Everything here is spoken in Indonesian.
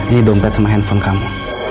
ini dompet sama handphone kamu